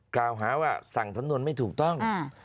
กล่าวหาว่าสั่งสำนวนไม่ถูกต้อง